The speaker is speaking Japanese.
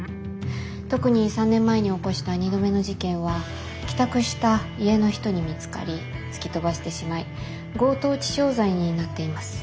特に３年前に起こした２度目の事件は帰宅した家の人に見つかり突き飛ばしてしまい強盗致傷罪になっています。